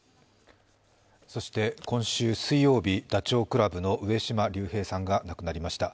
そして今週水曜日、ダチョウ倶楽部の上島竜兵さんが亡くなりました。